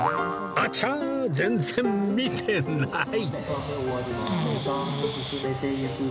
あちゃ全然見てない